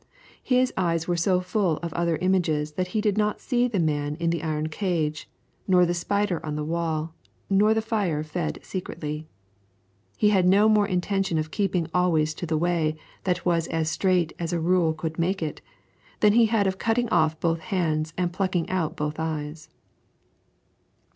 His eyes were so full of other images that he did not see the man in the iron cage, nor the spider on the wall, nor the fire fed secretly. He had no more intention of keeping always to the way that was as straight as a rule could make it, than he had of cutting off both his hands and plucking out both his eyes.